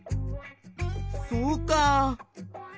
そうか。